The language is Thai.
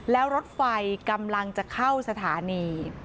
แล้วรถไฟกำลังจะเข้าสถานี